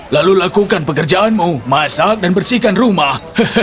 lalu lakukan pekerjaanmu masak dan bersihkan rumah